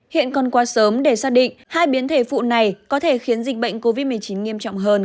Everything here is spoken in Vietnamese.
hiện còn quá sớm để xác định hai biến thể phụ này có thể khiến dịch bệnh covid một mươi chín nghiêm trọng hơn